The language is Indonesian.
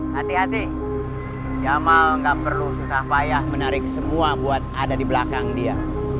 kita payah menarik semua buat ada di belakang dia